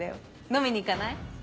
飲みに行かない？